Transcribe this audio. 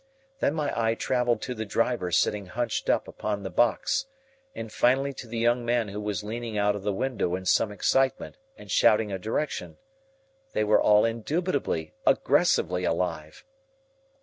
Then my eye traveled to the driver sitting hunched up upon the box and finally to the young man who was leaning out of the window in some excitement and shouting a direction. They were all indubitably, aggressively alive!